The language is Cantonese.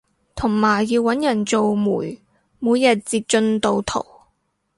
同埋要搵人做媒每日截進度圖